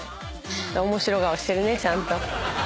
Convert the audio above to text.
面白顔してるねちゃんと。